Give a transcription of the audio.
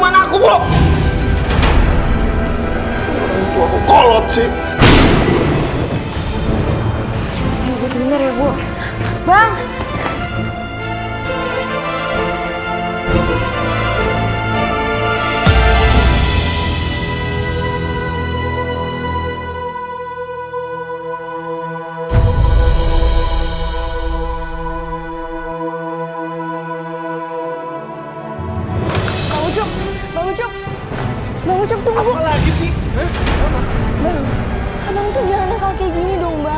nah tuh masuk kotak lo